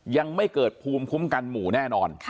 ยังไม่เกิดภูมิคุ้มกันหมู่แน่นอน